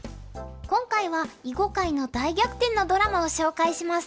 今回は囲碁界の大逆転のドラマを紹介します。